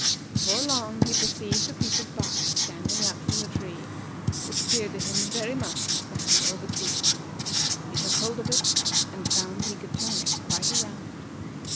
Before long he perceived a piece of bark standing out from the tree, which appeared to him very much like the handle of a key. He took hold of it, and found he could turn it quite around.